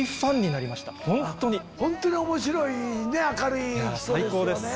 本当に面白い明るい人ですよね。